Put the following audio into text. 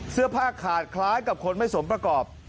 เสื้อผ้าขาดคล้ายกับคนไม่สมประกอบ